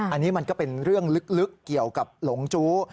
อันนี้มันก็เป็นเรื่องลึกเกี่ยวกับหลงจู้